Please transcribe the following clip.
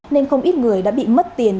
nên không ít người đã bị mất tiền